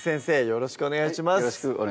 よろしくお願いします